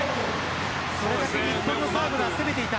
それだけ日本のサーブが攻めていた。